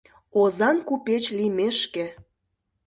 Озан купеч лиймешке